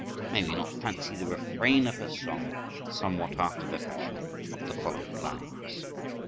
May we not fancy the refrain of her song somewhat after the fashion of the following lines?